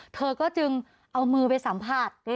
เธอก็จึงเอามือไปสัมภาษณ์